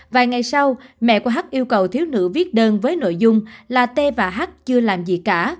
vài ngày sau mẹ của hắc yêu cầu thiếu nữ viết đơn với nội dung là t và h chưa làm gì cả